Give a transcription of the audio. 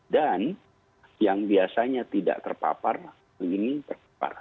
yang biasanya tidak terpapar ini terpapar